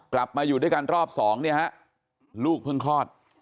มาอยู่ด้วยกันรอบสองเนี่ยฮะลูกเพิ่งคลอด